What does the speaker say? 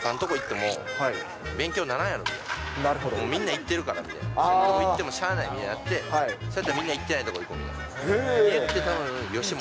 もうみんな行ってるからって、そんな所行ってもしゃあないみたいになって、それやったらみんな、行ってないとこ行こうみたいになって、言って、たぶん吉本。